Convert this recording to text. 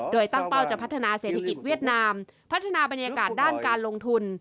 โดยตั้งเป้าจะพัฒนาเศรษฐกิจเวียดนามพัฒนาบรรยากาศด้านการลงทุน